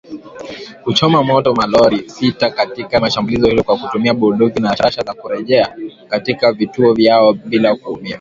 kuchoma moto malori sita katika shambulizi hilo kwa kutumia bunduki za rashasha na kurejea katika vituo vyao bila kuumia.